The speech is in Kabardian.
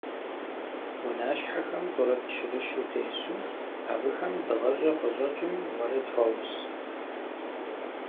Унащхьэхэм тӀурытӀ-щырыщу тесу, абыхэм дыгъэщӀэ къыщӀэкӀым уэрэд хуаус.